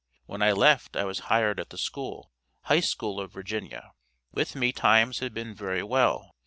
When I left I was hired at the school High School of Virginia. With me times had been very well.